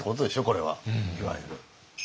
これはいわゆる。